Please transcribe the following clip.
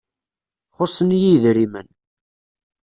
Xuṣṣen-iyi idrimen.